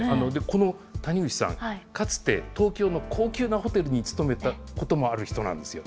この谷口さん、かつて東京の高級なホテルに勤めていたこともある人なんですよ。